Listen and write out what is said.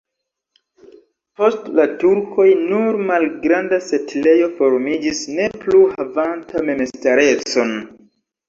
Post la turkoj nur malgranda setlejo formiĝis, ne plu havanta memstarecon.